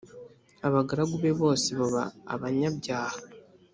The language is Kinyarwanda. abagaragu be bose baba abanyabyaha